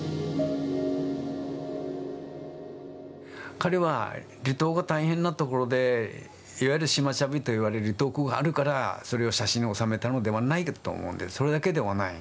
彼は離島が大変なところでいわゆる島ちゃびといわれる離島苦があるからそれを写真に収めたのではないと思うんでそれだけではない。